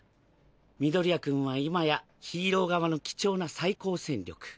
緑谷くんは今やヒーロー側の貴重な最高戦力。